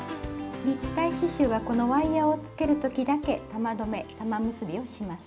立体刺しゅうはこのワイヤーをつける時だけ玉留め玉結びをします。